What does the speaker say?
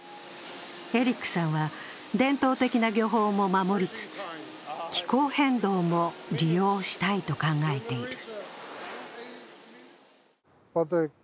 エリックさんは伝統的な漁法も守りつつ気候変動も利用したいと考えている。